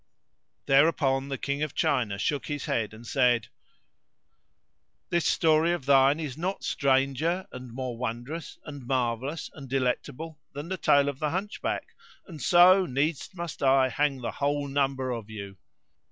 There upon the King of China shook his head[FN#600] and said, "This story of thine is not stranger and more wondrous and marvellous and delectable than the tale of the Hunchback; and so needs must I hang the whole number of you.